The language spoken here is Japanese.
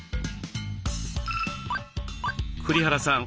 栗原さん